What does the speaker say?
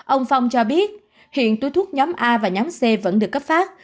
ông phong cho biết hiện túi thuốc nhóm a và nhóm c vẫn được cấp phát